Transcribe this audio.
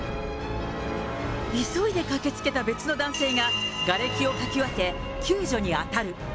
急いで駆けつけた別の男性が、がれきをかき分け、救助に当たる。